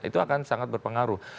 itu akan sangat berpengaruh